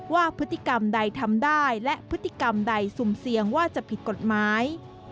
ว่าพฤติกรรมใดทำได้และพฤติกรรมใดสุ่มเสี่ยงว่าจะผิดกฎหมาย